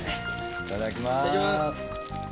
いただきます。